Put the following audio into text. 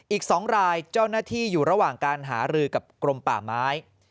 อีก๒รายเจ้าหน้าที่อยู่ระหว่างการหารือกับกรมป่าไม้